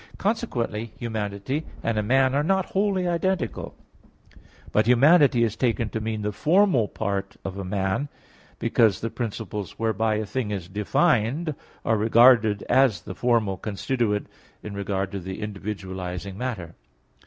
Consequently humanity and a man are not wholly identical; but humanity is taken to mean the formal part of a man, because the principles whereby a thing is defined are regarded as the formal constituent in regard to the individualizing matter.